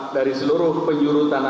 dari seluruh penyuru tanah air